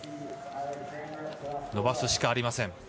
伸ばすしかありません。